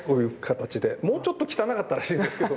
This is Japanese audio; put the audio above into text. もうちょっと汚かったらしいですけども。